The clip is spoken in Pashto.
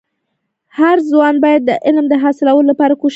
هرځوان باید د علم د حاصلولو لپاره کوښښ وکړي.